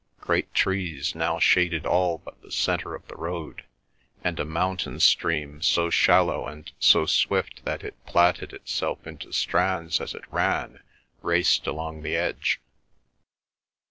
Great trees now shaded all but the centre of the road, and a mountain stream, so shallow and so swift that it plaited itself into strands as it ran, raced along the edge.